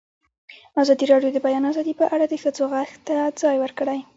ازادي راډیو د د بیان آزادي په اړه د ښځو غږ ته ځای ورکړی.